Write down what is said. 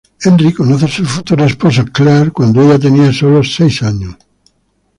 Henry conoce a su futura esposa Clare cuando ella tenía sólo seis años.